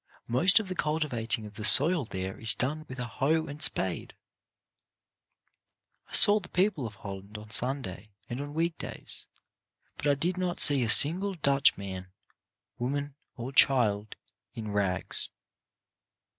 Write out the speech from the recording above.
Most of the cultivating of the soil there is done with a hoe and spade. I saw the people of Holland on Sunday and on week days, but I did not see a single Dutch man, woman or child in rags.